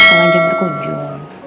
selama jam berkunjung